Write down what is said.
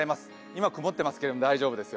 今曇っていますけれど大丈夫です。